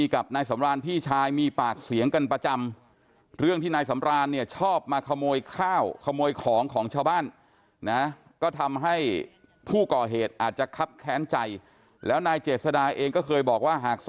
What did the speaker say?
ก็ไม่มีคือคือเวลาแฟนมาต่อบ้านอะไรนี่เขาจะเดินหนีเข้าป่า